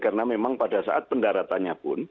karena memang pada saat pendaratannya pun